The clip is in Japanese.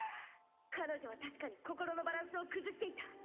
彼女は確かに心のバランスを崩していた。